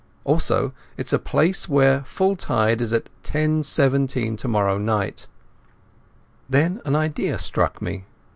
Also it's a place where full tide is at 10.17 tomorrow night." Then an idea struck me.